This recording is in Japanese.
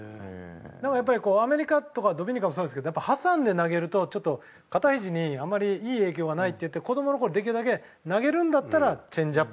なんかやっぱりこうアメリカとかドミニカもそうですけどやっぱ挟んで投げるとちょっと肩ひじにあまりいい影響がないっていって子供の頃できるだけ投げるんだったらチェンジアップ。